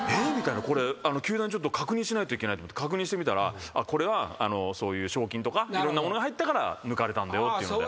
これ球団にちょっと確認しないといけないと思って確認してみたらこれはそういう賞金とかいろんなものが入ったから抜かれたんだよっていうので。